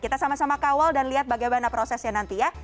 kita sama sama kawal dan lihat bagaimana prosesnya nanti ya